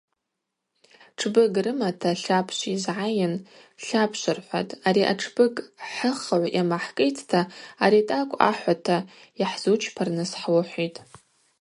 Тшбыг рымата Тлапшв йызгӏайын: Тлапшв,—рхӏватӏ,—ари атшбыг хӏыхыгӏв йамахӏкӏитӏта, аритӏакӏв ахӏвата йхӏзучпарныс хӏуыхӏвитӏ.